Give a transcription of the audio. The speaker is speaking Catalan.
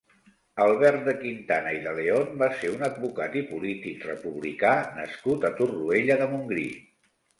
Albert de Quintana i de León va ser un advocat i polític republicà nascut a Torroella de Montgrí.